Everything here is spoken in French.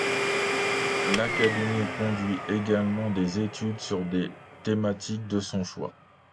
L'académie conduit également des études sur des thématiques de son choix.